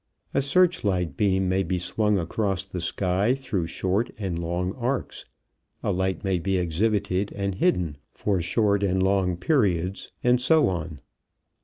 A search light beam may be swung across the sky through short and long arcs, a light may be exhibited and hidden for short and long periods, and so on.